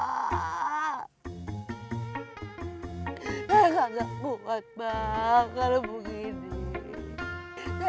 ga buat bang kalo begini